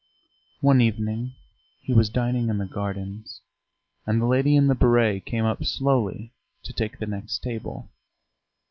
One evening he was dining in the gardens, and the lady in the béret came up slowly to take the next table.